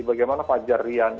bagaimana fajar rian